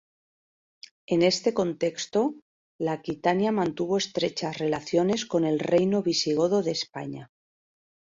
En este contexto, la Aquitania mantuvo estrechas relaciones con el reino visigodo de España.